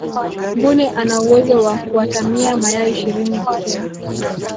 mbuni ana uwezo wa kuatamia mayai ishirini pekee